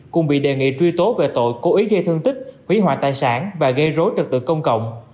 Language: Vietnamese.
cùng bị đề nghị truy tố về tội cố ý gây thương tích hủy hoại tài sản và gây rối trật tự công cộng